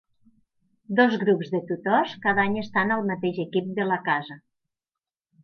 Dos grups de tutors cada any estan al mateix equip de la casa.